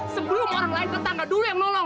sebelum orang lain tetangga dulu yang nolong